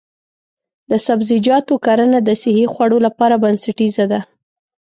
د سبزیجاتو کرنه د صحي خوړو لپاره بنسټیزه ده.